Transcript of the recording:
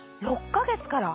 ６か月から？